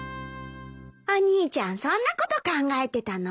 お兄ちゃんそんなこと考えてたの？